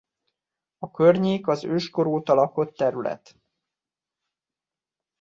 A környék az őskor óta lakott terület.